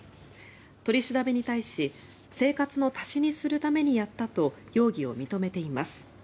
取り調べに対し生活の足しにするためにやったと容疑を認めています。